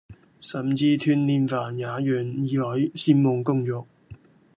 甚至團年飯也讓兒女先忙工作